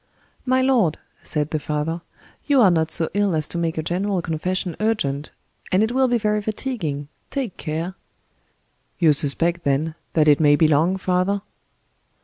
"My lord," said the father, "you are not so ill as to make a general confession urgent—and it will be very fatiguing—take care." "You suspect, then, that it may be long, father?"